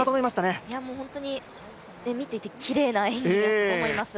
本当に見ていてきれいな演技だと思います。